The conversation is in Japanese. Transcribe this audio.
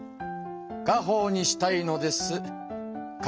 家ほうにしたいのです。